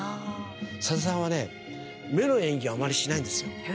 佐田さんはね、目の演技あまりしないんですよ。